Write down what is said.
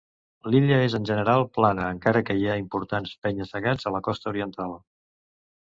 L'illa és en general plana, encara que hi ha importants penya-segats a la costa oriental.